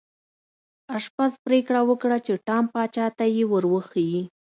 آشپز پریکړه وکړه چې ټام پاچا ته ور وښيي.